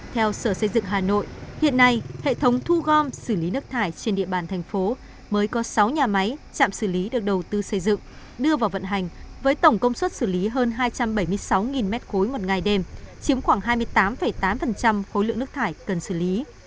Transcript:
theo sở xây dựng hà nội hiện nay hệ thống thu gom xử lý nước thải trên địa bàn thành phố mới có sáu nhà máy chạm xử lý được đầu tư xây dựng đưa vào vận hành với tổng công suất xử lý hơn hai trăm bảy mươi sáu m ba một ngày đêm chiếm khoảng hai mươi tám tám khối lượng nước thải cần xử lý